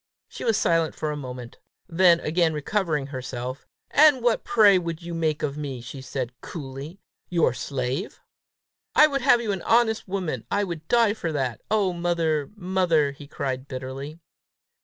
She was silent for a moment. Then again recovering herself, "And what, pray, would you make of me?" she said coolly. "Your slave?" "I would have you an honest woman! I would die for that! Oh, mother! mother!" he cried bitterly.